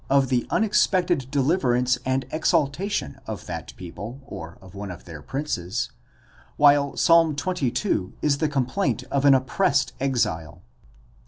of the un expected deliverance and exaltation of that people, or of one of their princes ;® while Ps. xxii. is the complaint of an oppressed exile.